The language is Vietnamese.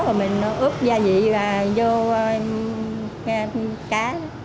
rồi mình ướp gia vị vào cá